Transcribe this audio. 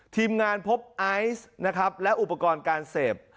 ทีมงานพบไอซ์นะครับและอุปกรณ์การเสพ